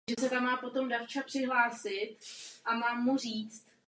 Paseka.